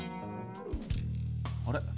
あれ？